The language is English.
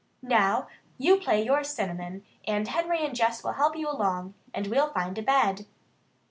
Now, you play you're Cinnamon, and Henry and Jess will help you along, and we'll find a bed."